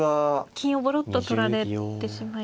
金をぼろっと取られてしまいますが。